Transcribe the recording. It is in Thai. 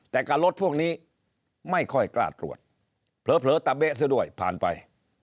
แต่กับรถพวกนี้ไม่ค่อยกล้าตรวจเผลอตะเบ๊ะซะด้วยผ่านไป